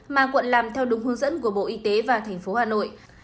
mà quận làm theo đúng hướng dẫn của bộ y tế và tp hà nội